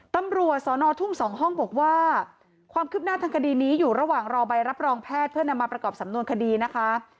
ตำรวจสอนอทุ่งสองห้องบอกว่าความคืบหน้าทางคดีนี้อยู่ระหว่างรอใบรับรองแพทย์เพื่อนำมาประกอบสำนวนคดีนะคะ